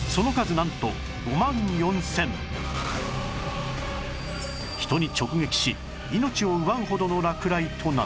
なんと人に直撃し命を奪うほどの落雷となった